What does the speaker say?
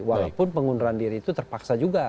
walaupun pengunduran diri itu terpaksa juga